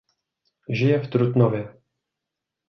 Žije v Trutnově.